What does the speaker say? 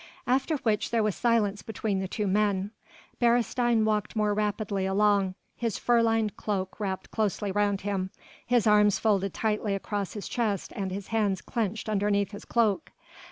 After which there was silence between the two men. Beresteyn walked more rapidly along, his fur lined cloak wrapped closely round him, his arms folded tightly across his chest and his hands clenched underneath his cloak.